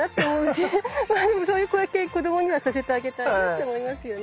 でもこういう経験を子どもにはさせてあげたいねって思いますよね。